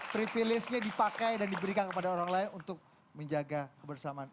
privilege nya dipakai dan diberikan kepada orang lain untuk menjaga kebersamaan